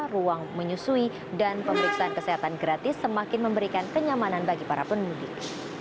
ruang menyusui dan pemeriksaan kesehatan gratis semakin memberikan kenyamanan bagi para pemudik